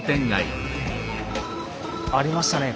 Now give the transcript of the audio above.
ありましたね